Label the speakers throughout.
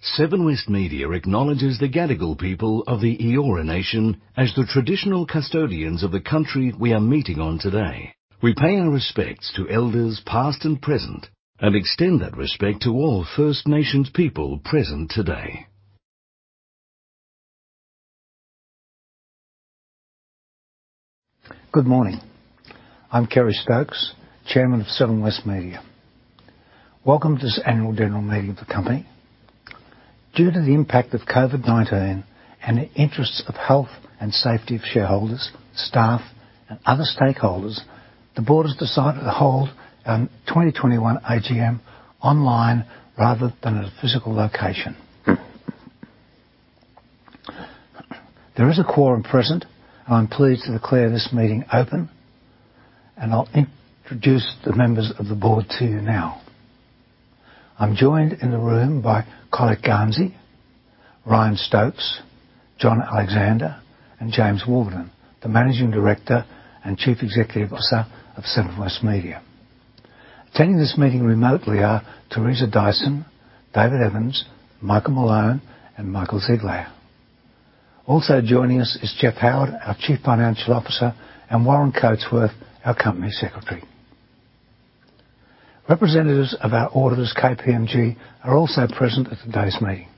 Speaker 1: Seven West Media acknowledges the Gadigal people of the Eora Nation as the traditional custodians of the country we are meeting on today. We pay our respects to elders, past and present, and extend that respect to all First Nations people present today.
Speaker 2: Good morning. I'm Kerry Stokes, Chairman of Seven West Media. Welcome to this annual general meeting of the company. Due to the impact of COVID-19 and the interests of health and safety of shareholders, staff and other stakeholders, the board has decided to hold 2021 AGM online rather than at a physical location. There is a quorum present. I'm pleased to declare this meeting open. I'll introduce the members of the board to you now. I'm joined in the room by Colette Garnsey, Ryan Stokes, John Alexander and James Warburton, the Managing Director and Chief Executive Officer of Seven West Media. Attending this meeting remotely are Teresa Dyson, David Evans, Michael Malone and Michael Ziegelaar. Also joining us is Jeff Howard, our Chief Financial Officer, and Warren Coatsworth, our Company Secretary. Representatives of our auditors, KPMG, are also present at today's meeting.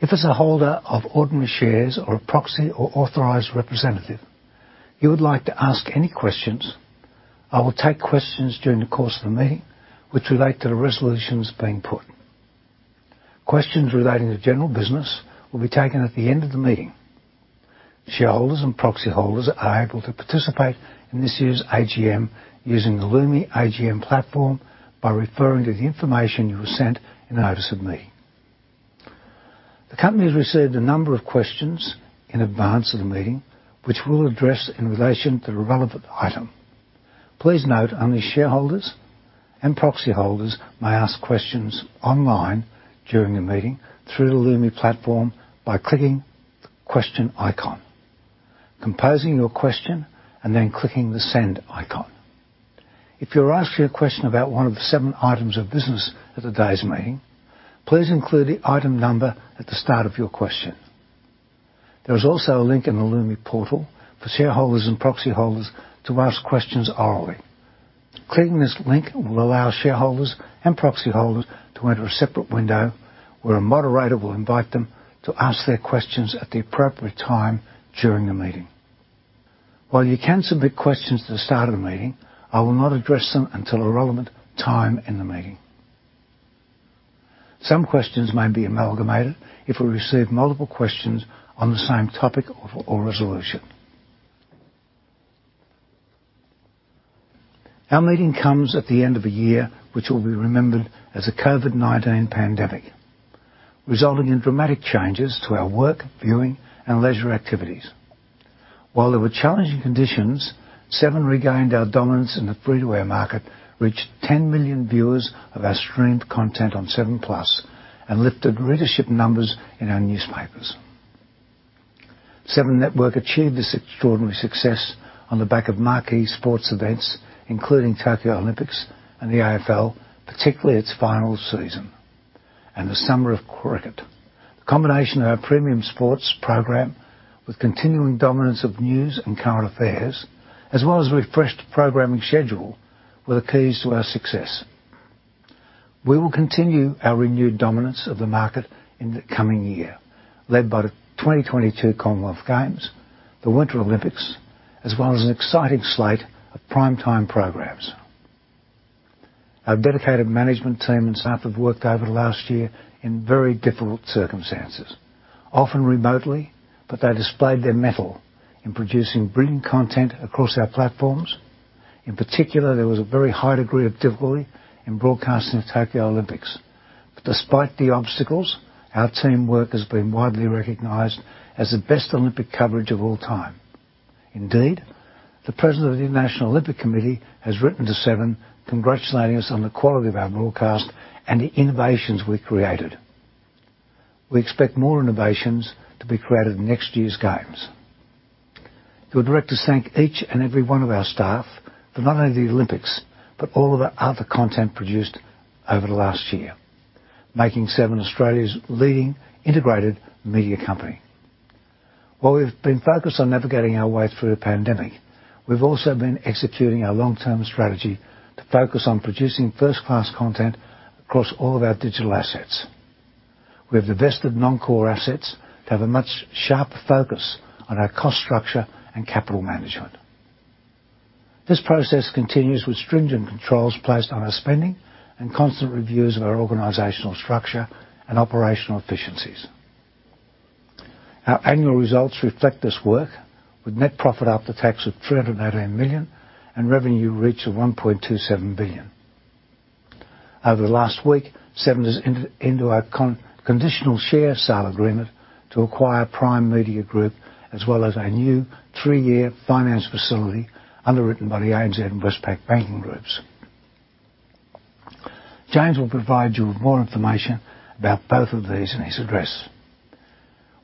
Speaker 2: If, as a holder of ordinary shares or a proxy or authorized representative, you would like to ask any questions, I will take questions during the course of the meeting which relate to the resolutions being put. Questions relating to general business will be taken at the end of the meeting. Shareholders and proxy holders are able to participate in this year's AGM using the Lumi AGM platform by referring to the information you were sent in the notice of the meeting. The company has received a number of questions in advance of the meeting, which we'll address in relation to the relevant item. Please note, only shareholders and proxy holders may ask questions online during the meeting through the Lumi platform by clicking the Question icon, composing your question, and then clicking the Send icon. If you're asking a question about one of the seven items of business at today's meeting, please include the item number at the start of your question. There is also a link in the Lumi portal for shareholders and proxy holders to ask questions orally. Clicking this link will allow shareholders and proxy holders to enter a separate window where a moderator will invite them to ask their questions at the appropriate time during the meeting. While you can submit questions at the start of the meeting, I will not address them until the relevant time in the meeting. Some questions may be amalgamated if we receive multiple questions on the same topic or resolution. Our meeting comes at the end of a year, which will be remembered as the COVID-19 pandemic, resulting in dramatic changes to our work, viewing and leisure activities. While there were challenging conditions, Seven regained our dominance in the free-to-air market, reached 10 million viewers of our streamed content on 7plus, and lifted readership numbers in our newspapers. Seven Network achieved this extraordinary success on the back of marquee sports events including Tokyo Olympics and the AFL, particularly its final season and the summer of cricket. The combination of our premium sports program with continuing dominance of news and current affairs, as well as a refreshed programming schedule, were the keys to our success. We will continue our renewed dominance of the market in the coming year, led by the 2022 Commonwealth Games, the Winter Olympics, as well as an exciting slate of primetime programs. Our dedicated management team and staff have worked over the last year in very difficult circumstances, often remotely, but they displayed their mettle in producing brilliant content across our platforms. In particular, there was a very high degree of difficulty in broadcasting the Tokyo Olympics. Despite the obstacles, our teamwork has been widely recognized as the best Olympic coverage of all time. Indeed, the President of the International Olympic Committee has written to Seven congratulating us on the quality of our broadcast and the innovations we created. We expect more innovations to be created in next year's games. The directors thank each and every one of our staff for not only the Olympics, but all of the other content produced over the last year, making Seven Australia's leading integrated media company. While we've been focused on navigating our way through the pandemic, we've also been executing our long-term strategy to focus on producing first-class content across all of our digital assets. We have divested non-core assets to have a much sharper focus on our cost structure and capital management. This process continues with stringent controls placed on our spending and constant reviews of our organizational structure and operational efficiencies. Our annual results reflect this work with net profit after tax of 318 million and revenue reached of 1.27 billion. Over the last week, Seven has entered into a conditional share sale agreement to acquire Prime Media Group as well as a new three-year finance facility underwritten by the ANZ and Westpac banking groups. James will provide you with more information about both of these in his address.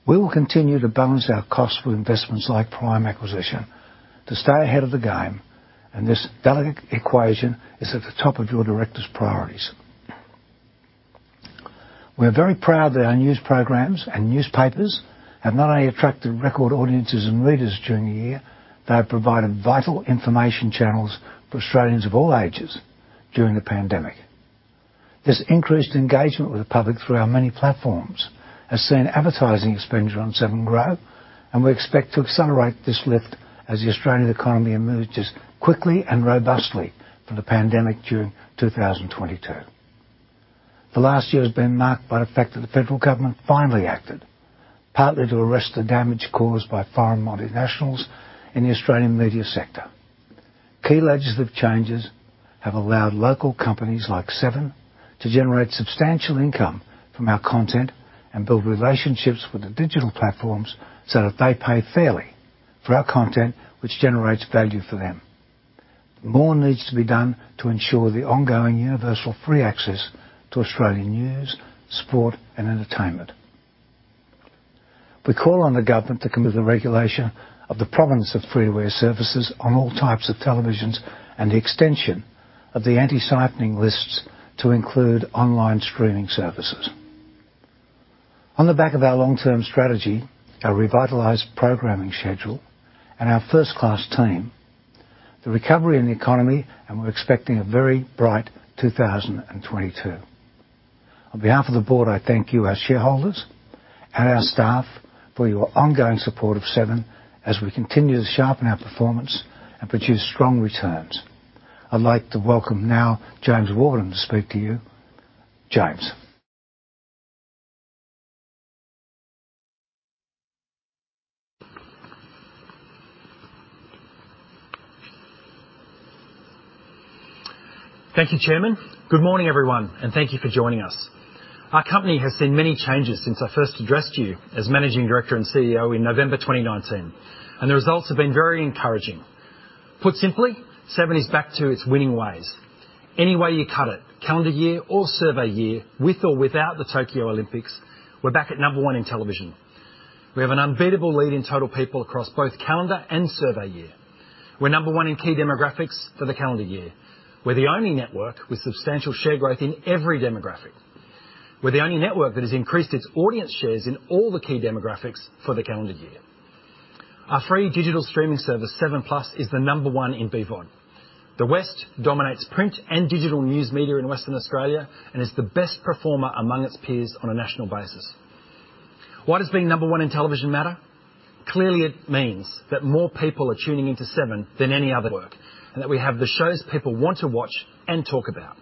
Speaker 2: We will continue to balance our costs with investments like Prime acquisition to stay ahead of the game, and this delicate equation is at the top of your directors' priorities. We're very proud that our news programs and newspapers have not only attracted record audiences and readers during the year, they have provided vital information channels for Australians of all ages during the pandemic. This increased engagement with the public through our many platforms has seen advertising expenditure on Seven grow, and we expect to accelerate this lift as the Australian economy emerges quickly and robustly from the pandemic during 2022. The last year has been marked by the fact that the federal government finally acted, partly to arrest the damage caused by foreign multinationals in the Australian media sector. Key legislative changes have allowed local companies like Seven to generate substantial income from our content and build relationships with the digital platforms so that they pay fairly for our content, which generates value for them. More needs to be done to ensure the ongoing universal free access to Australian news, sport, and entertainment. We call on the government to commit the regulation of the prominence of free-to-air services on all types of televisions and the extension of the anti-siphoning lists to include online streaming services. On the back of our long-term strategy, our revitalized programming schedule, and our first-class team, the recovery in the economy, and we're expecting a very bright 2022. On behalf of the board, I thank you, our shareholders and our staff, for your ongoing support of Seven as we continue to sharpen our performance and produce strong returns. I'd like to welcome now James Warburton to speak to you. James.
Speaker 3: Thank you, Chairman. Good morning, everyone, and thank you for joining us. Our company has seen many changes since I first addressed you as Managing Director and CEO in November 2019, and the results have been very encouraging. Put simply, Seven is back to its winning ways. Any way you cut it, calendar year or survey year, with or without the Tokyo Olympics, we're back at number one in television. We have an unbeatable lead in total people across both calendar and survey year. We're number one in key demographics for the calendar year. We're the only network with substantial share growth in every demographic. We're the only network that has increased its audience shares in all the key demographics for the calendar year. Our free digital streaming service, 7plus, is the number one in BVOD. The West dominates print and digital news media in Western Australia and is the best performer among its peers on a national basis. Why does being number one in television matter? Clearly, it means that more people are tuning into Seven than any other network, and that we have the shows people want to watch and talk about.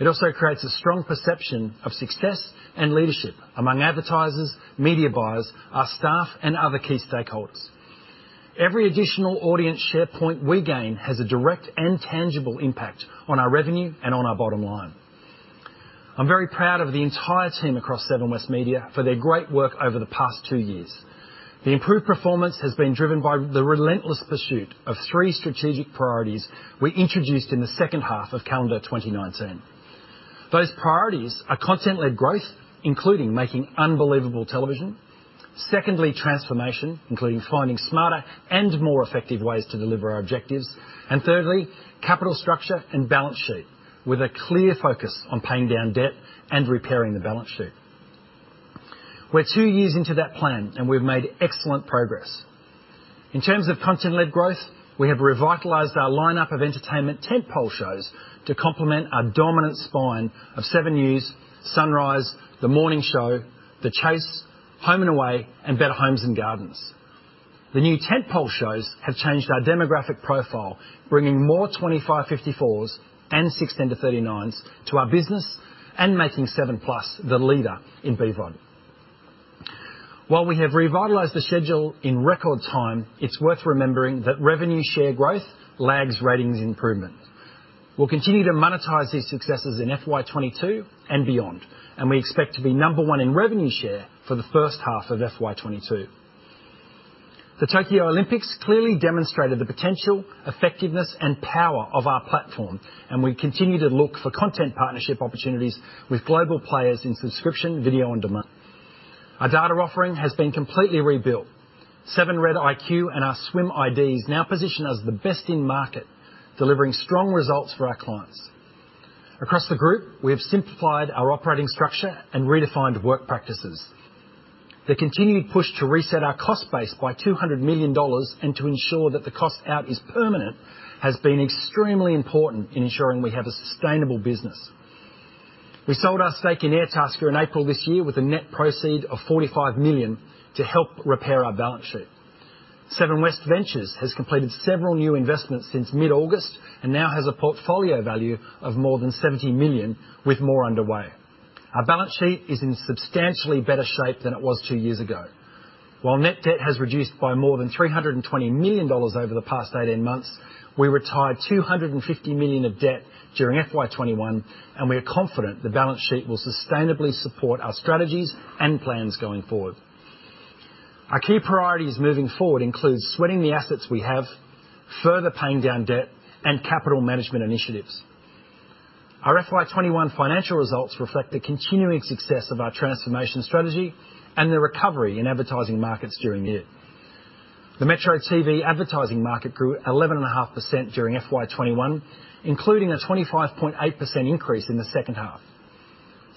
Speaker 3: It also creates a strong perception of success and leadership among advertisers, media buyers, our staff, and other key stakeholders. Every additional audience share point we gain has a direct and tangible impact on our revenue and on our bottom line. I'm very proud of the entire team across Seven West Media for their great work over the past two years. The improved performance has been driven by the relentless pursuit of three strategic priorities we introduced in the second half of calendar 2019. Those priorities are content-led growth, including making unbelievable television. Secondly, transformation, including finding smarter and more effective ways to deliver our objectives. Thirdly, capital structure and balance sheet with a clear focus on paying down debt and repairing the balance sheet. We're two years into that plan, and we've made excellent progress. In terms of content-led growth, we have revitalized our lineup of entertainment tentpole shows to complement our dominant spine of 7NEWS, Sunrise, The Morning Show, The Chase, Home and Away, and Better Homes and Gardens. The new tentpole shows have changed our demographic profile, bringing more 25-54s and 16-to-39s to our business and making 7plus the leader in BVOD. While we have revitalized the schedule in record time, it's worth remembering that revenue share growth lags ratings improvement. We'll continue to monetize these successes in FY 2022 and beyond, and we expect to be number one in revenue share for the first half of FY 2022. The Tokyo Olympics clearly demonstrated the potential, effectiveness, and power of our platform, and we continue to look for content partnership opportunities with global players in subscription video on demand. Our data offering has been completely rebuilt. 7REDiQ and our SWM IDs now position us the best in market, delivering strong results for our clients. Across the group, we have simplified our operating structure and redefined work practices. The continued push to reset our cost base by 200 million dollars and to ensure that the cost out is permanent has been extremely important in ensuring we have a sustainable business. We sold our stake in Airtasker in April this year with net proceeds of 45 million to help repair our balance sheet. Seven West Ventures has completed several new investments since mid-August and now has a portfolio value of more than 70 million, with more underway. Our balance sheet is in substantially better shape than it was two years ago. While net debt has reduced by more than 320 million dollars over the past eighteen months, we retired 250 million of debt during FY 2021, and we are confident the balance sheet will sustainably support our strategies and plans going forward. Our key priorities moving forward includes sweating the assets we have, further paying down debt, and capital management initiatives. Our FY 2021 financial results reflect the continuing success of our transformation strategy and the recovery in advertising markets during the year. The metro TV advertising market grew 11.5% during FY 2021, including a 25.8% increase in the second half.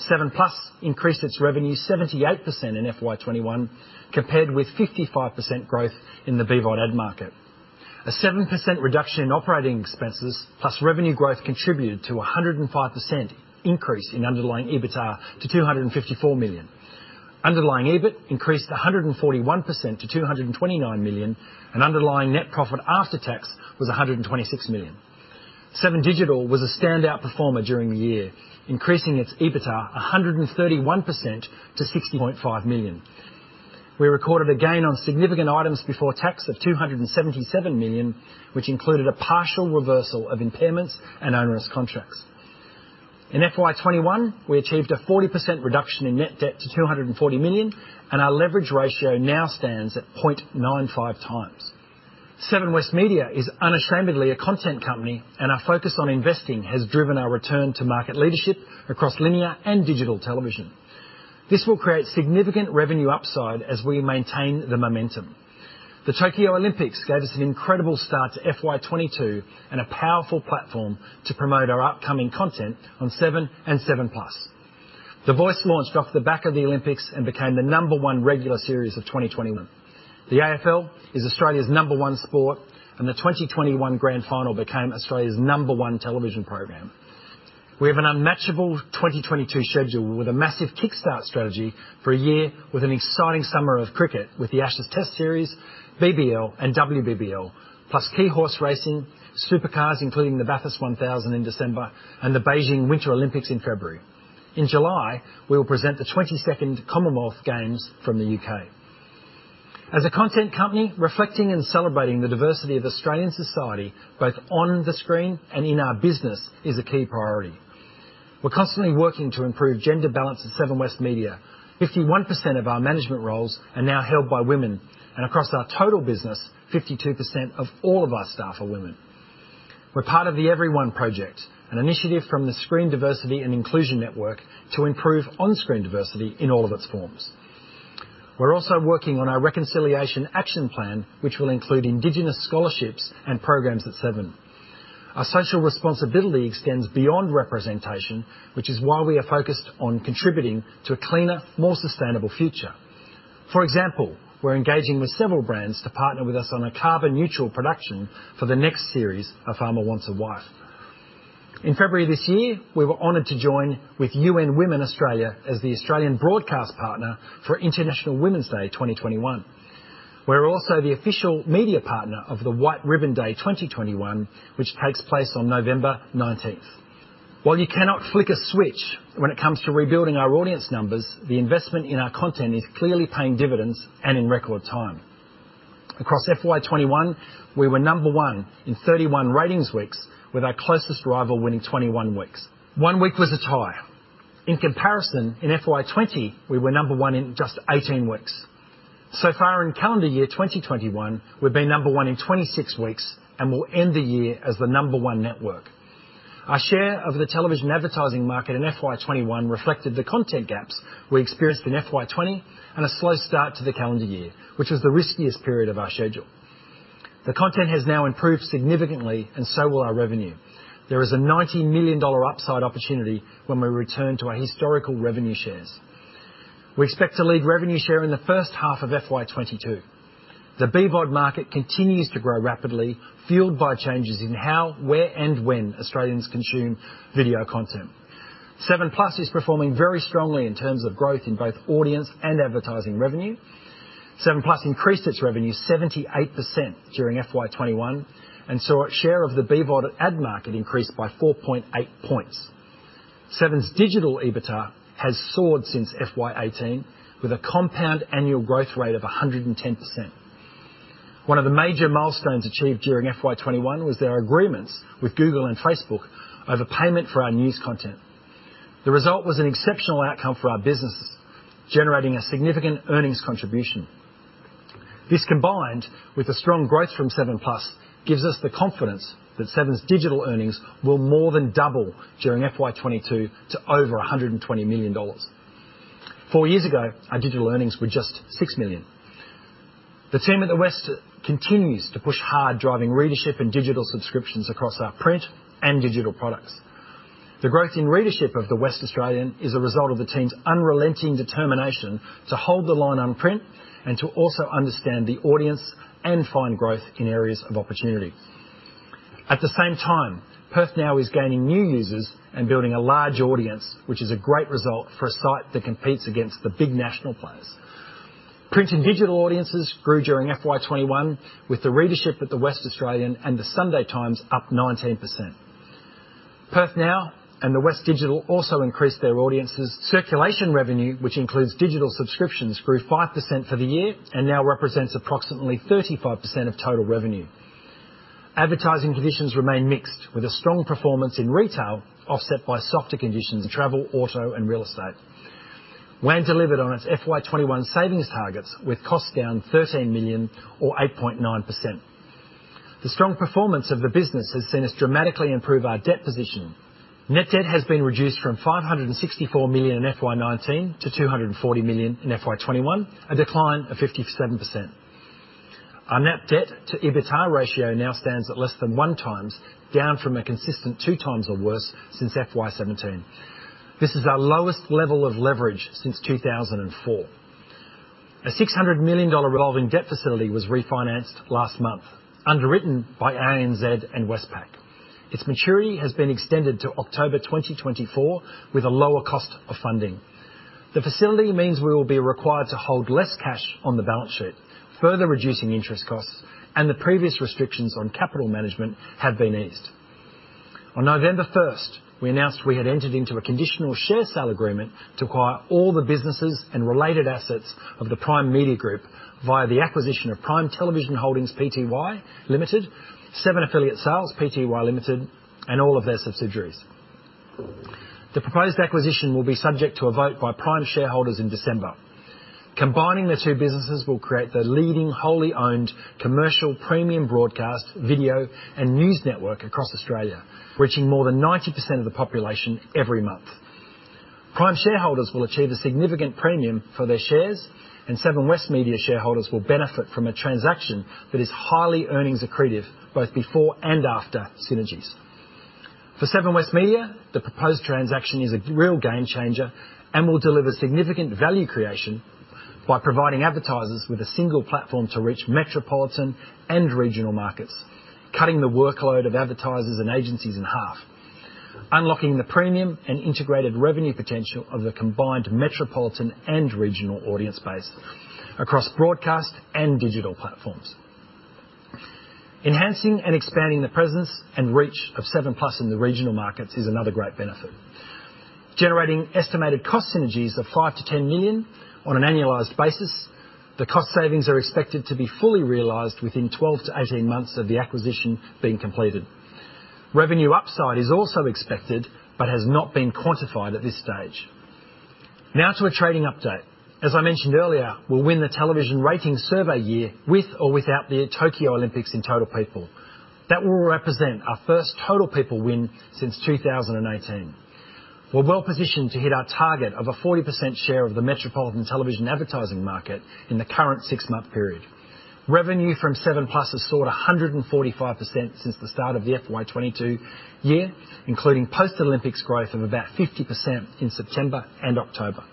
Speaker 3: 7plus increased its revenue 78% in FY 2021, compared with 55% growth in the BVOD ad market. A 7% reduction in operating expenses, plus revenue growth contributed to a 105% increase in underlying EBITDA to 254 million. Underlying EBIT increased 141% to 229 million, and underlying net profit after tax was 126 million. Seven Digital was a standout performer during the year, increasing its EBITDA 131% to 60.5 million. We recorded a gain on significant items before tax of 277 million, which included a partial reversal of impairments and onerous contracts. In FY 2021, we achieved a 40% reduction in net debt to 240 million, and our leverage ratio now stands at 0.95x. Seven West Media is unashamedly a content company, and our focus on investing has driven our return to market leadership across linear and digital television. This will create significant revenue upside as we maintain the momentum. The Tokyo Olympics gave us an incredible start to FY 2022 and a powerful platform to promote our upcoming content on Seven and 7plus. The Voice launched off the back of the Olympics and became the No. one regular series of 2021. The AFL is Australia's No. onesport, and the 2021 grand final became Australia's No. one television program. We have an unmatchable 2022 schedule with a massive kickstart strategy for a year with an exciting summer of cricket with the Ashes Test series, BBL, and WBBL, plus key horse racing, supercars, including the Bathurst 1000 in December and the Beijing Winter Olympics in February. In July, we will present the 22nd Commonwealth Games from the U.K. As a content company, reflecting and celebrating the diversity of Australian society, both on the screen and in our business, is a key priority. We're constantly working to improve gender balance at Seven West Media. 51% of our management roles are now held by women, and across our total business, 52% of all of our staff are women. We're part of the Everyone Project, an initiative from the Screen Diversity and Inclusion Network to improve on-screen diversity in all of its forms. We're also working on our reconciliation action plan, which will include Indigenous scholarships and programs at Seven. Our social responsibility extends beyond representation, which is why we are focused on contributing to a cleaner, more sustainable future. For example, we're engaging with several brands to partner with us on a carbon neutral production for the next series of Farmer Wants a Wife. In February this year, we were honored to join with UN Women Australia as the Australian broadcast partner for International Women's Day 2021. We're also the official media partner of the White Ribbon Day 2021, which takes place on November nineteenth. While you cannot flick a switch when it comes to rebuilding our audience numbers, the investment in our content is clearly paying dividends and in record time. Across FY 2021, we were number one in 31 ratings weeks, with our closest rival winning 21 weeks. One week was a tie. In comparison, in FY 2020, we were number one in just 18 weeks. So far in calendar year 2021, we've been number one in 26 weeks and will end the year as the number one network. Our share of the television advertising market in FY 2021 reflected the content gaps we experienced in FY 2020 and a slow start to the calendar year, which was the riskiest period of our schedule. The content has now improved significantly and so will our revenue. There is an 90 million dollar upside opportunity when we return to our historical revenue shares. We expect to lead revenue share in the first half of FY 2022. The BVOD market continues to grow rapidly, fueled by changes in how, where, and when Australians consume video content. 7plus is performing very strongly in terms of growth in both audience and advertising revenue. 7plus increased its revenue 78% during FY 2021 and saw its share of the BVOD ad market increase by 4.8 points. Seven's digital EBITA has soared since FY 2018 with a compound annual growth rate of 110%. One of the major milestones achieved during FY 2021 was their agreements with Google and Facebook over payment for our news content. The result was an exceptional outcome for our businesses, generating a significant earnings contribution. This, combined with the strong growth from 7plus, gives us the confidence that Seven's digital earnings will more than double during FY 2022 to over 120 million dollars. Four years ago, our digital earnings were just 6 million. The team at The West continues to push hard, driving readership and digital subscriptions across our print and digital products. The growth in readership of The West Australian is a result of the team's unrelenting determination to hold the line on print and to also understand the audience and find growth in areas of opportunity. At the same time, PerthNow is gaining new users and building a large audience, which is a great result for a site that competes against the big national players. Print and digital audiences grew during FY 2021 with the readership at The West Australian and The Sunday Times up 19%. PerthNow and West Digital also increased their audiences. Circulation revenue, which includes digital subscriptions, grew 5% for the year and now represents approximately 35% of total revenue. Advertising conditions remain mixed with a strong performance in retail, offset by softer conditions in travel, auto, and real estate. WAN delivered on its FY 2021 savings targets, with costs down 13 million or 8.9%. The strong performance of the business has seen us dramatically improve our debt position. Net debt has been reduced from 564 million in FY 2019 to 240 million in FY 2021, a decline of 57%. Our net debt to EBITA ratio now stands at less than 1x, down from a consistent 2x or worse since FY 2017. This is our lowest level of leverage since 2004. A 600 million dollar revolving debt facility was refinanced last month, underwritten by ANZ and Westpac. Its maturity has been extended to October 2024 with a lower cost of funding. The facility means we will be required to hold less cash on the balance sheet, further reducing interest costs, and the previous restrictions on capital management have been eased. On November 1st, we announced we had entered into a conditional share sale agreement to acquire all the businesses and related assets of the Prime Media Group via the acquisition of Prime Television (Holdings) Pty Ltd, Seven Affiliate Sales Pty Ltd, and all of their subsidiaries. The proposed acquisition will be subject to a vote by Prime shareholders in December. Combining the two businesses will create the leading wholly-owned commercial premium broadcast, video, and news network across Australia, reaching more than 90% of the population every month. Prime shareholders will achieve a significant premium for their shares, and Seven West Media shareholders will benefit from a transaction that is highly earnings accretive, both before and after synergies. For Seven West Media, the proposed transaction is a real game changer and will deliver significant value creation by providing advertisers with a single platform to reach metropolitan and regional markets, cutting the workload of advertisers and agencies in half, unlocking the premium and integrated revenue potential of the combined metropolitan and regional audience base across broadcast and digital platforms. Enhancing and expanding the presence and reach of 7plus in the regional markets is another great benefit. Generating estimated cost synergies of 5 million-10 million on an annualized basis, the cost savings are expected to be fully realized within 12 months-18 months of the acquisition being completed. Revenue upside is also expected, but has not been quantified at this stage. Now to a trading update. As I mentioned earlier, we'll win the television ratings survey year with or without the Tokyo Olympics in total people. That will represent our first total people win since 2018. We're well-positioned to hit our target of a 40% share of the metropolitan television advertising market in the current six-month period. Revenue from 7plus has soared 145% since the start of the FY 2022 year, including post-Olympics growth of about 50% in September and October.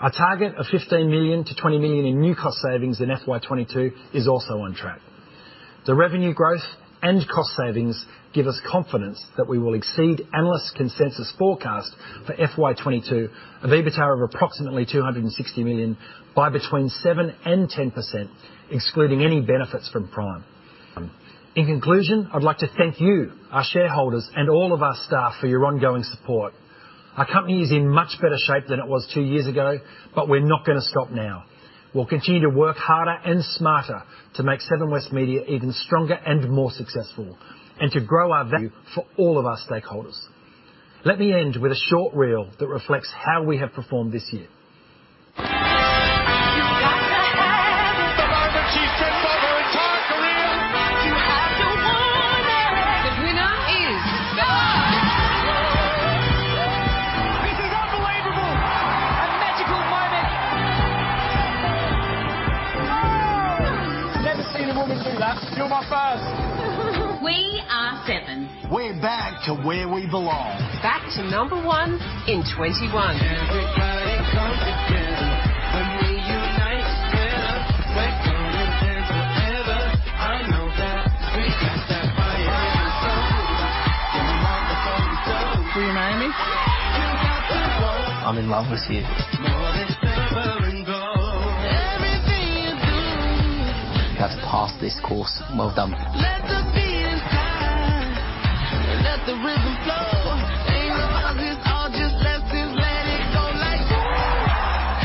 Speaker 3: Our target of 15 million-20 million in new cost savings in FY 2022 is also on track. The revenue growth and cost savings give us confidence that we will exceed analyst consensus forecast for FY 2022, of EBITA of approximately 260 million by between 7% and 10%, excluding any benefits from Prime. In conclusion, I'd like to thank you, our shareholders, and all of our staff for your ongoing support. Our company is in much better shape than it was two years ago. We're not gonna stop now. We'll continue to work harder and smarter to make Seven West Media even stronger and more successful, and to grow our value for all of our stakeholders. Let me end with a short reel that reflects how we have performed this year.
Speaker 1: You've got to have it. The moment she's dreamt of her entire career. You have to want it. The winner is. Got to have it. This is unbelievable. A magical moment. Oh. You have to need it. I've never seen a woman do that. You're my first. We are Seven. We're back to where we belong. Back to number one in 2021. Everybody come together. When we unite together. We're gonna win forever. I know that. We got that fire in the soul. Light the fuse. Will you marry me? You've got to want it. I'm in love with you. More than silver and gold. Everything you do. You have to pass this course. Well done. Let the beat inside. Let the rhythm flow. Ain't no odds, it's all just lessons. Let it go like this.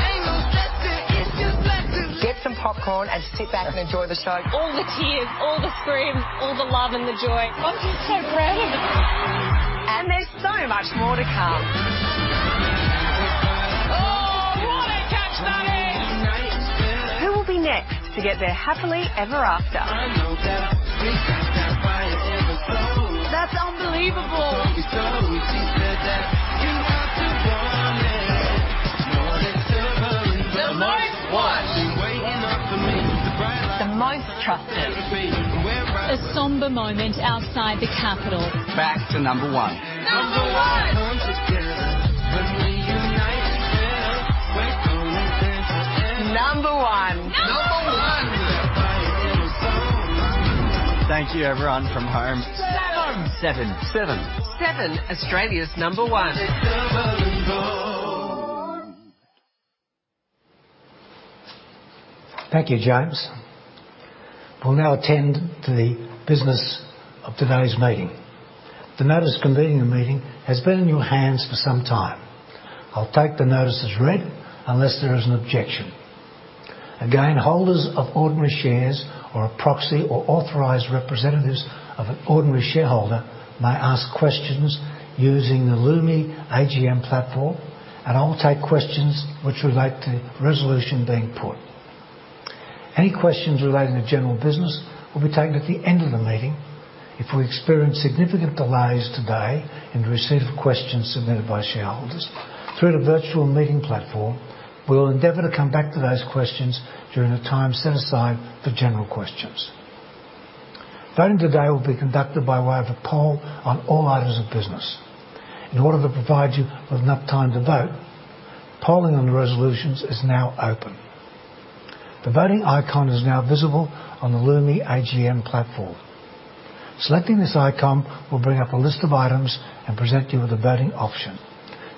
Speaker 1: Ain't no lesson, it's just lessons. Get some popcorn and sit back and enjoy the show. All the tears, all the screams, all the joy. Oh, this is so great. There's so much more to come. Everybody come together. Oh, what a catch that is. When we unite together. Who will be next to get their happily ever after? I know that we got that fire in the soul. That's unbelievable. She said that you have to want it. More than silver and gold. The most watched. Been waiting up for me. The most trusted. Everything and wherever you be. A somber moment outside the Capitol. Back to number one. Number one. Everybody come together. When we unite together. We're gonna win forever. Number one. Number one. We got that fire in the soul. Thank you, everyone from home. Seven. Seven, Australia's number one. More than silver and gold.
Speaker 2: Thank you, James. We'll now attend to the business of today's meeting. The notice convening the meeting has been in your hands for some time. I'll take the notice as read, unless there is an objection. Again, holders of ordinary shares or a proxy or authorized representatives of an ordinary shareholder may ask questions using the Lumi AGM platform, and I'll take questions which relate to resolution being put. Any questions relating to general business will be taken at the end of the meeting. If we experience significant delays today in receipt of questions submitted by shareholders through the virtual meeting platform, we will endeavor to come back to those questions during the time set aside for general questions. Voting today will be conducted by way of a poll on all items of business. In order to provide you with enough time to vote, polling on the resolutions is now open. The voting icon is now visible on the Lumi AGM platform. Selecting this icon will bring up a list of items and present you with a voting option.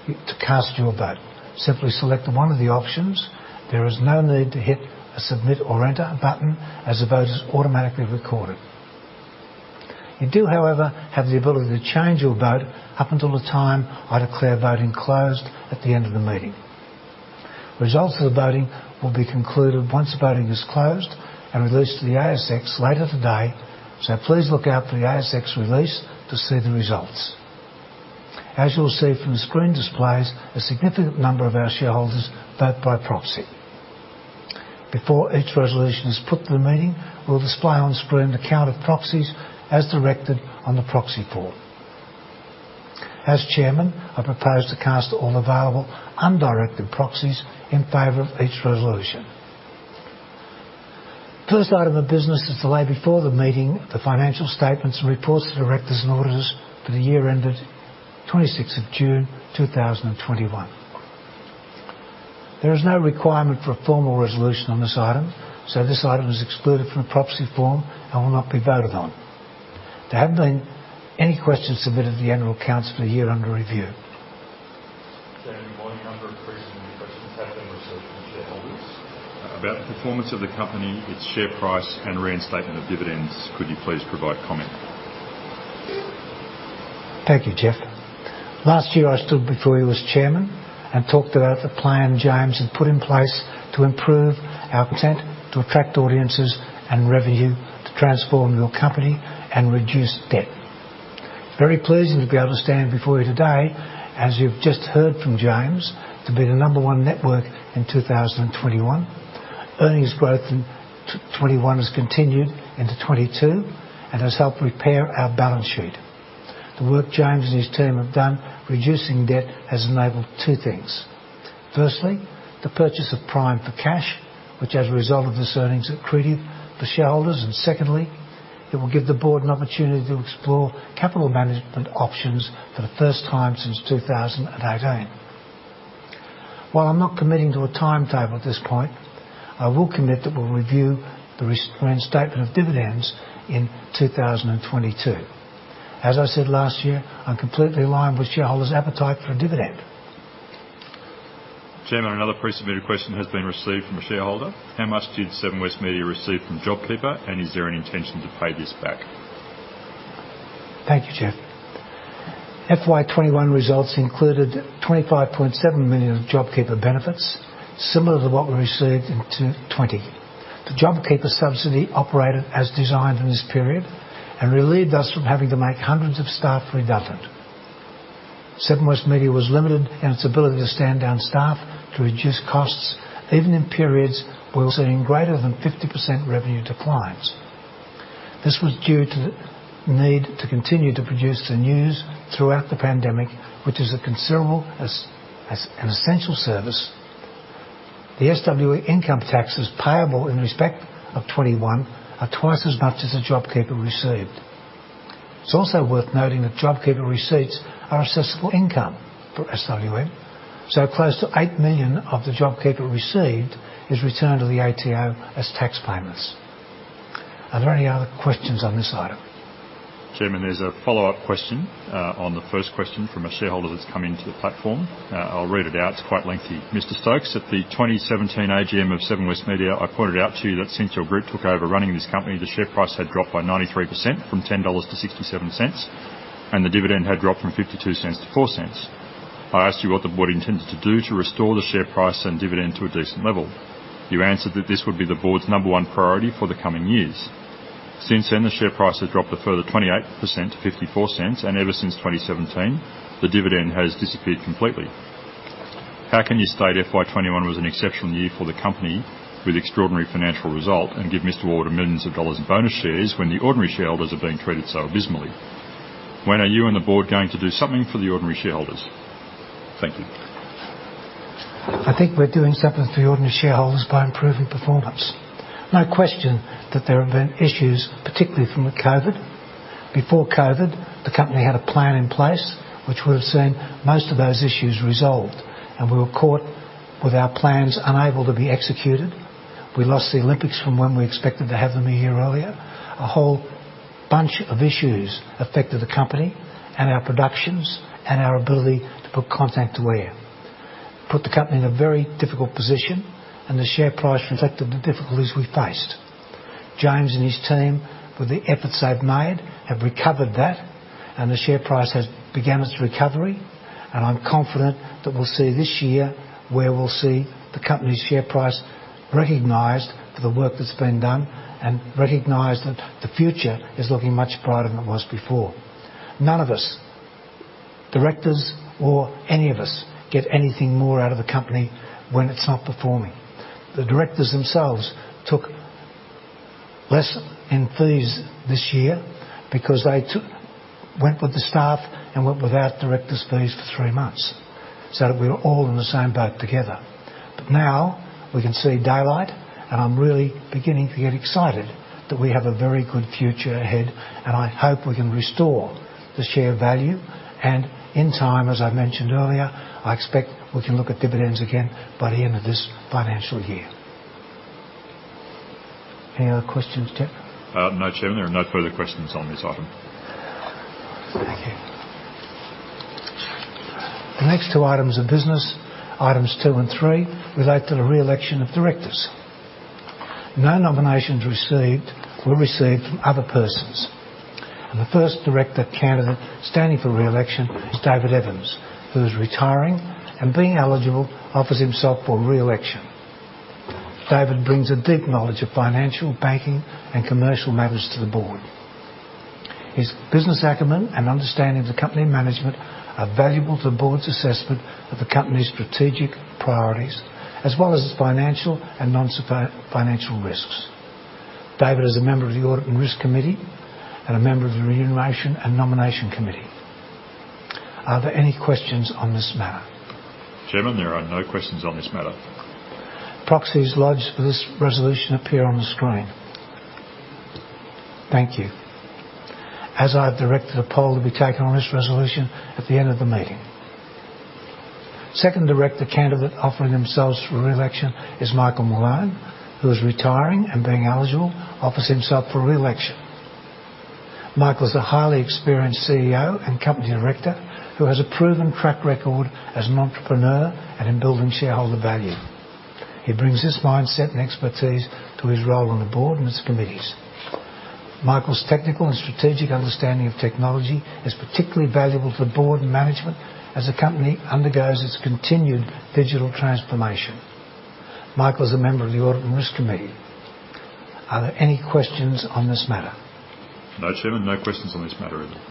Speaker 2: To cast your vote, simply select one of the options. There is no need to hit Submit or Enter button as the vote is automatically recorded. You do, however, have the ability to change your vote up until the time I declare voting closed at the end of the meeting. Results of the voting will be concluded once the voting is closed and released to the ASX later today. Please look out for the ASX release to see the results. As you'll see from the screen displays, a significant number of our shareholders vote by proxy. Before each resolution is put to the meeting, we'll display on screen the count of proxies as directed on the proxy form. As chairman, I propose to cast all available undirected proxies in favor of each resolution. First item of business is to lay before the meeting the financial statements and reports of the directors and auditors for the year ended 26th of June, 2021. There is no requirement for a formal resolution on this item, so this item is excluded from the proxy form and will not be voted on. There haven't been any questions submitted to the annual accounts for the year under review.
Speaker 4: Chairman, volume number three. Some new questions have been received from shareholders about the performance of the company, its share price, and reinstatement of dividends. Could you please provide comment?
Speaker 2: Thank you, Jeff. Last year, I stood before you as Chairman and talked about the plan James had put in place to improve our content, to attract audiences and revenue, to transform your company and reduce debt. Very pleasing to be able to stand before you today, as you've just heard from James, to be the number one network in 2021. Earnings growth in 2021 has continued into 2022 and has helped repair our balance sheet. The work James and his team have done reducing debt has enabled two things. Firstly, the purchase of Prime for cash, which as a result of this earnings, accreted for shareholders. Secondly, it will give the board an opportunity to explore capital management options for the first time since 2018. While I'm not committing to a timetable at this point, I will commit that we'll review the reinstatement of dividends in 2022. As I said last year, I'm completely aligned with shareholders' appetite for a dividend.
Speaker 4: Chairman, another pre-submitted question has been received from a shareholder. How much did Seven West Media receive from JobKeeper, and is there an intention to pay this back?
Speaker 2: Thank you, Jeff. FY 2021 results included 25.7 million of JobKeeper benefits, similar to what we received in 2020. The JobKeeper subsidy operated as designed in this period and relieved us from having to make hundreds of staff redundant. Seven West Media was limited in its ability to stand down staff to reduce costs, even in periods where we're seeing greater than 50% revenue declines. This was due to the need to continue to produce the news throughout the pandemic, which is considered as an essential service. The SWM income taxes payable in respect of 2021 are twice as much as the JobKeeper received. It's also worth noting that JobKeeper receipts are assessable income for SWM, so close to 8 million of the JobKeeper received is returned to the ATO as tax payments. Are there any other questions on this item?
Speaker 4: Chairman, there's a follow-up question on the first question from a shareholder that's come into the platform. I'll read it out. It's quite lengthy. "Mr. Stokes, at the 2017 AGM of Seven West Media, I pointed out to you that since your group took over running this company, the share price had dropped by 93% from 10 dollars to 0.67, and the dividend had dropped from 0.52 to 0.04. I asked you what the board intended to do to restore the share price and dividend to a decent level. You answered that this would be the board's number one priority for the coming years. Since then, the share price has dropped a further 28% to 0.54, and ever since 2017, the dividend has disappeared completely. How can you state FY 2021 was an exceptional year for the company with extraordinary financial result and give Mr. Warburton millions dollars in bonus shares when the ordinary shareholders are being treated so abysmally? When are you and the board going to do something for the ordinary shareholders? Thank you.
Speaker 2: I think we're doing something for the ordinary shareholders by improving performance. No question that there have been issues, particularly from the COVID. Before COVID, the company had a plan in place which would have seen most of those issues resolved, and we were caught with our plans unable to be executed. We lost the Olympics from when we expected to have them a year earlier. A whole bunch of issues affected the company and our productions and our ability to put content to air, put the company in a very difficult position and the share price reflected the difficulties we faced. James and his team, with the efforts they've made, have recovered that, and the share price has began its recovery. I'm confident that we'll see this year where we'll see the company's share price recognized for the work that's been done and recognized that the future is looking much brighter than it was before. None of us, directors or any of us, get anything more out of the company when it's not performing. The directors themselves took less in fees this year because they went with the staff and went without directors fees for three months, so that we're all in the same boat together. Now we can see daylight, and I'm really beginning to get excited that we have a very good future ahead, and I hope we can restore the share value. In time, as I mentioned earlier, I expect we can look at dividends again by the end of this financial year. Any other questions, Jeff?
Speaker 4: No, Chairman, there are no further questions on this item.
Speaker 2: Thank you. The next two items of business, items two and three, relate to the re-election of directors. No nominations received from other persons. The first director candidate standing for re-election is David Evans, who is retiring, and being eligible, offers himself for re-election. David brings a deep knowledge of financial, banking and commercial matters to the board. His business acumen and understanding of the company management are valuable to the board's assessment of the company's strategic priorities, as well as its financial and non-financial risks. David is a member of the Audit and Risk Committee and a member of the Remuneration & Nomination Committee. Are there any questions on this matter?
Speaker 4: Chairman, there are no questions on this matter.
Speaker 2: Proxies lodged for this resolution appear on the screen. Thank you. As I have directed a poll to be taken on this resolution at the end of the meeting. The second director candidate offering themselves for re-election is Michael Malone, who is retiring, and being eligible, offers himself for re-election. Michael is a highly experienced CEO and company director who has a proven track record as an entrepreneur and in building shareholder value. He brings this mindset and expertise to his role on the board and its committees. Michael's technical and strategic understanding of technology is particularly valuable to the board and management as the company undergoes its continued digital transformation. Michael is a member of the Audit and Risk Committee. Are there any questions on this matter?
Speaker 4: No, Chairman, no questions on this matter either.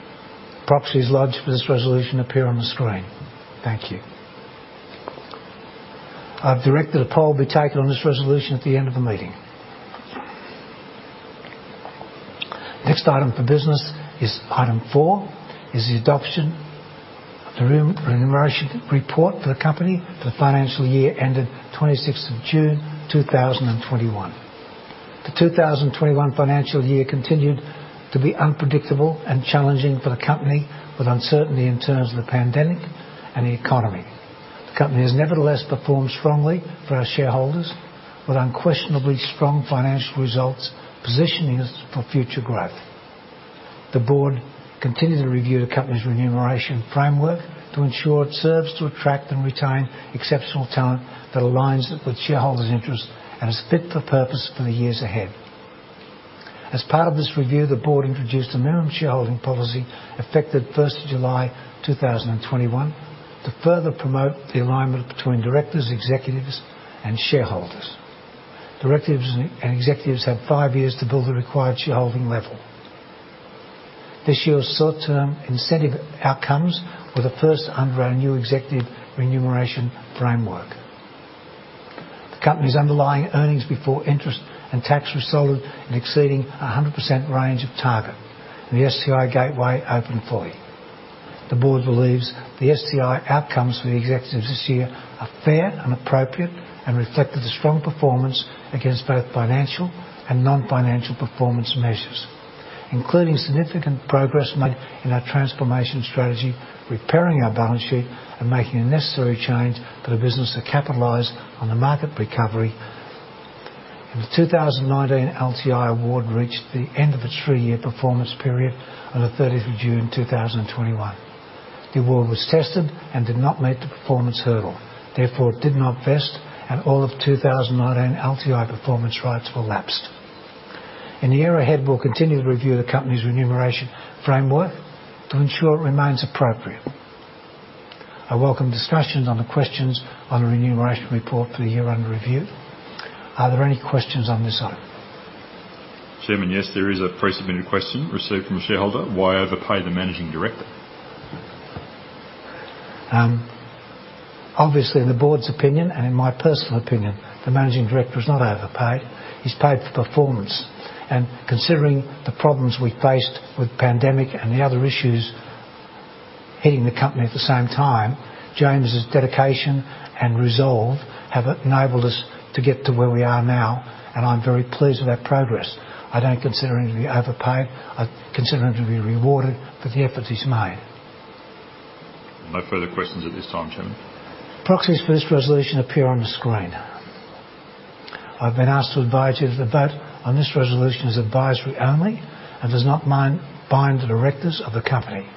Speaker 2: Proxies lodged for this resolution appear on the screen. Thank you. I've directed a poll be taken on this resolution at the end of the meeting. Next item for business is item four, the adoption of the remuneration report for the company for the financial year ended 26th of June, 2021. The 2021 financial year continued to be unpredictable and challenging for the company, with uncertainty in terms of the pandemic and the economy. The company has nevertheless performed strongly for our shareholders, with unquestionably strong financial results positioning us for future growth. The board continued to review the company's remuneration framework to ensure it serves to attract and retain exceptional talent that aligns with shareholders' interests and is fit for purpose for the years ahead. As part of this review, the board introduced a minimum shareholding policy effective July 1, 2021, to further promote the alignment between directors, executives, and shareholders. Directors and executives have five years to build the required shareholding level. This year's short-term incentive outcomes were the first under our new executive remuneration framework. The company's underlying earnings before interest and tax were solid and exceeding 100% range of target, and the STI gateway opened fully. The board believes the STI outcomes for the executives this year are fair and appropriate and reflected the strong performance against both financial and non-financial performance measures, including significant progress made in our transformation strategy, repairing our balance sheet and making a necessary change for the business to capitalize on the market recovery. The 2019 LTI award reached the end of its three-year performance period on the 30th of June 2021. The award was tested and did not meet the performance hurdle. Therefore, it did not vest, and all of 2019 LTI performance rights were lapsed. In the year ahead, we'll continue to review the company's remuneration framework to ensure it remains appropriate. I welcome discussions on the questions on the remuneration report for the year under review. Are there any questions on this item?
Speaker 4: Chairman, yes, there is a pre-submitted question received from a shareholder. Why overpay the Managing Director?
Speaker 2: Obviously in the board's opinion and in my personal opinion, the Managing Director is not overpaid. He's paid for performance. Considering the problems we faced with pandemic and the other issues hitting the company at the same time, James' dedication and resolve have enabled us to get to where we are now, and I'm very pleased with that progress. I don't consider him to be overpaid. I consider him to be rewarded for the efforts he's made.
Speaker 4: No further questions at this time, Chairman.
Speaker 2: Proxies for this resolution appear on the screen. I've been asked to advise you that the vote on this resolution is advisory only and does not bind the directors of the company.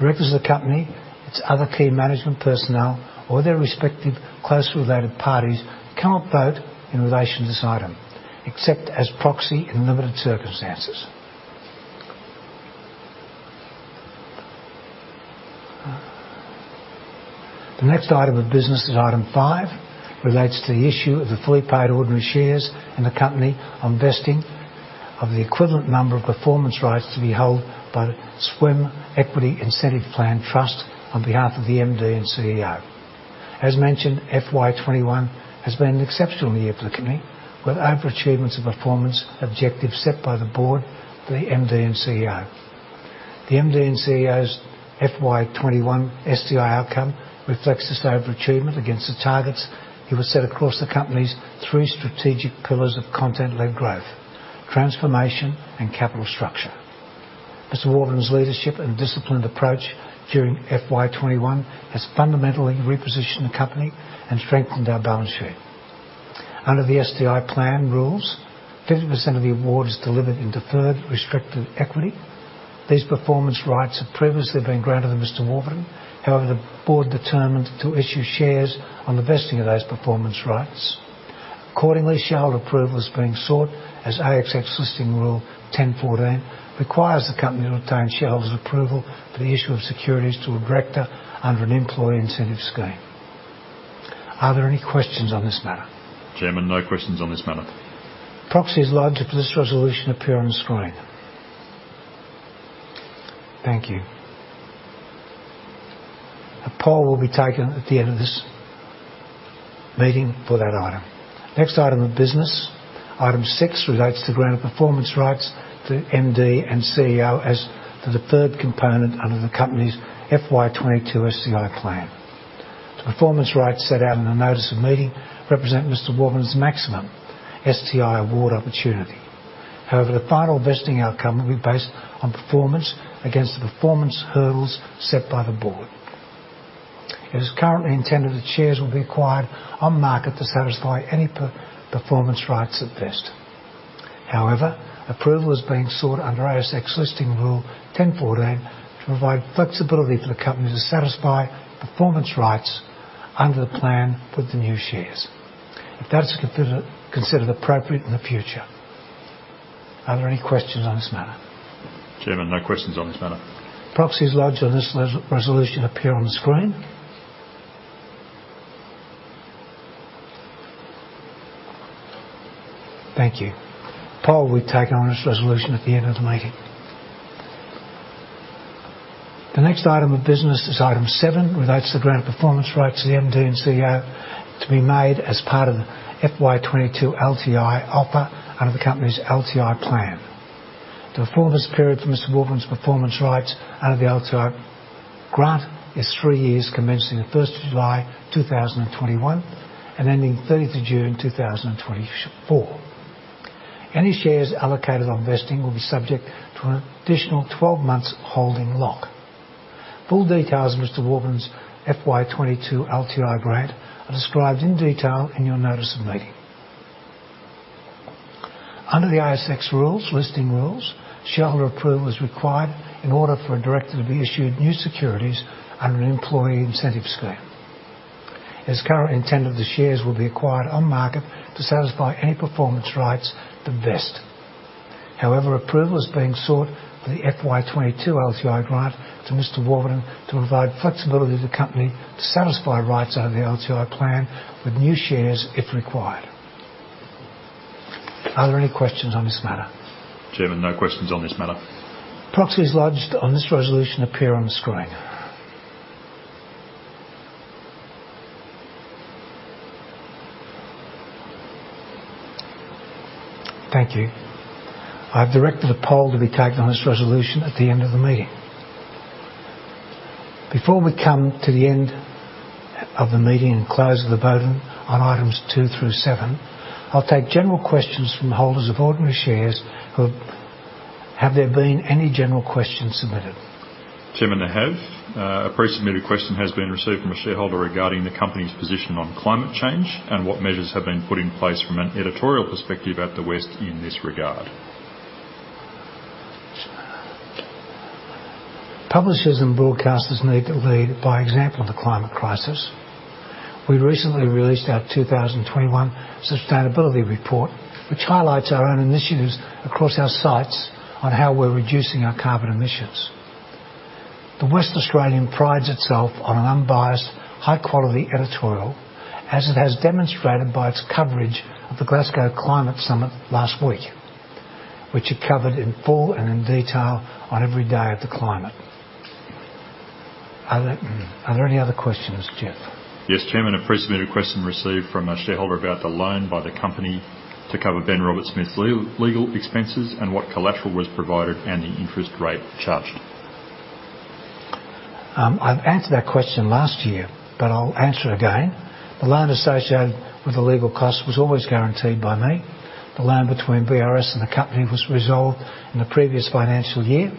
Speaker 2: Directors of the company, its other key management personnel or their respective closely related parties cannot vote in relation to this item, except as proxy in limited circumstances. The next item of business is item five, relates to the issue of the fully paid ordinary shares in the company on vesting of the equivalent number of performance rights to be held by SWM Equity Incentive Plan Trust on behalf of the MD and CEO. As mentioned, FY 2021 has been an exceptional year for the company, with over-achievements of performance objectives set by the board for the MD and CEO. The MD and CEO's FY 2021 STI outcome reflects this over-achievement against the targets that were set across the company's three strategic pillars of content-led growth, transformation, and capital structure. Mr. Warburton's leadership and disciplined approach during FY 2021 has fundamentally repositioned the company and strengthened our balance sheet. Under the STI plan rules, 30% of the award is delivered in deferred restricted equity. These performance rights have previously been granted to Mr. Warburton. However, the board determined to issue shares on the vesting of those performance rights. Accordingly, shareholder approval is being sought as ASX Listing Rule 10.14 requires the company to obtain shareholders' approval for the issue of securities to a director under an employee incentive scheme. Are there any questions on this matter?
Speaker 4: Chairman, no questions on this matter.
Speaker 2: Proxies lodged for this resolution appear on the screen. Thank you. A poll will be taken at the end of this meeting for that item. Next item of business, item six, relates to the grant of performance rights to MD and CEO as the deferred component under the company's FY 2022 STI plan. The performance rights set out in the notice of meeting represent Mr. Warburton's maximum STI award opportunity. However, the final vesting outcome will be based on performance against the performance hurdles set by the board. It is currently intended that shares will be acquired on market to satisfy any performance rights at vest. However, approval is being sought under ASX Listing Rule 10.14 to provide flexibility for the company to satisfy performance rights under the plan with the new shares if that is considered appropriate in the future. Are there any questions on this matter?
Speaker 4: Chairman, no questions on this matter.
Speaker 2: Proxies lodged on this resolution appear on the screen. Thank you. Poll will be taken on this resolution at the end of the meeting. The next item of business is item seven, relates to the grant of performance rights to the MD and CEO to be made as part of FY 2022 LTI offer under the company's LTI plan. The performance period for Mr. Warburton's performance rights under the LTI grant is three years, commencing July 1st, 2021, and ending June 30th, 2024. Any shares allocated on vesting will be subject to an additional 12 months holding lock. Full details of Mr. Warburton's FY 2022 LTI grant are described in detail in your notice of meeting. Under the ASX Listing Rules, shareholder approval is required in order for a director to be issued new securities under an employee incentive scheme. It's currently intended the shares will be acquired on market to satisfy any performance rights that vest. However, approval is being sought for the FY 2022 LTI grant to Mr. Warburton to provide flexibility to the company to satisfy rights under the LTI plan with new shares if required. Are there any questions on this matter?
Speaker 4: Chairman, no questions on this matter.
Speaker 2: Proxies lodged on this resolution appear on the screen. Thank you. I have directed a poll to be taken on this resolution at the end of the meeting. Before we come to the end of the meeting and close the voting on items two through seven, I'll take general questions from holders of ordinary shares. Have there been any general questions submitted?
Speaker 4: Chairman, I have. A pre-submitted question has been received from a shareholder regarding the company's position on climate change and what measures have been put in place from an editorial perspective at The West in this regard.
Speaker 2: Publishers and broadcasters need to lead by example on the climate crisis. We recently released our 2021 sustainability report, which highlights our own initiatives across our sites on how we're reducing our carbon emissions. The West Australian prides itself on an unbiased, high-quality editorial, as it has demonstrated by its coverage of the Glasgow Climate Summit last week, which it covered in full and in detail on every day of the climate. Are there any other questions, Jeff?
Speaker 4: Yes, Chairman. A pre-submitted question received from a shareholder about the loan by the company to cover Ben Roberts-Smith's legal expenses and what collateral was provided and the interest rate charged.
Speaker 2: I've answered that question last year, but I'll answer it again. The loan associated with the legal cost was always guaranteed by me. The loan between BRS and the company was resolved in the previous financial year.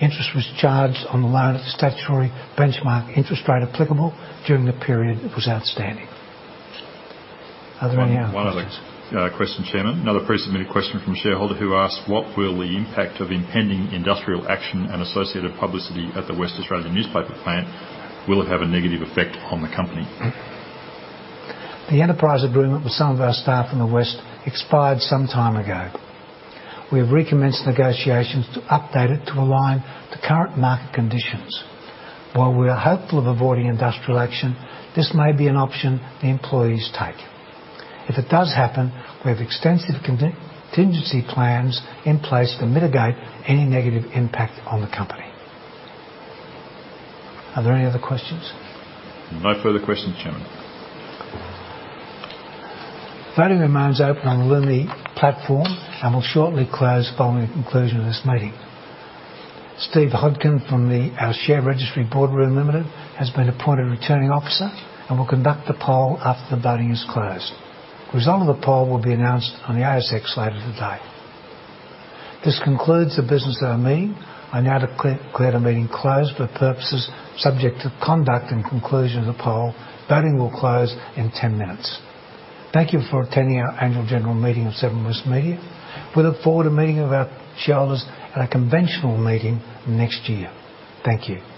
Speaker 2: Interest was charged on the loan at the statutory benchmark interest rate applicable during the period it was outstanding. Are there any other questions?
Speaker 4: One other question, Chairman. Another pre-submitted question from a shareholder who asks: What will the impact of impending industrial action and associated publicity at The West Australian newspaper plant, will it have a negative effect on the company?
Speaker 2: The enterprise agreement with some of our staff in the West expired some time ago. We have recommenced negotiations to update it to align to current market conditions. While we are hopeful of avoiding industrial action, this may be an option the employees take. If it does happen, we have extensive contingency plans in place to mitigate any negative impact on the company. Are there any other questions?
Speaker 4: No further questions, Chairman.
Speaker 2: Voting remains open on the Lumi platform and will shortly close following the conclusion of this meeting. Steve Hodkin from our share registry, Boardroom Pty Limited, has been appointed Returning Officer and will conduct the poll after the voting is closed. The result of the poll will be announced on the ASX later today. This concludes the business of our meeting. I now declare the meeting closed for purposes subject to conduct and conclusion of the poll. Voting will close in 10 minutes. Thank you for attending our annual general meeting of Seven West Media. We look forward to meeting with our shareholders at a conventional meeting next year. Thank you.